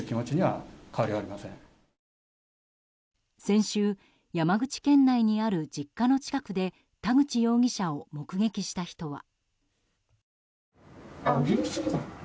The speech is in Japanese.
先週、山口県内にある実家の近くで田口容疑者を目撃した人は。